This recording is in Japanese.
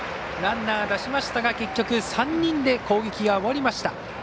ランナー、出しましたが結局３人で攻撃が終わりました。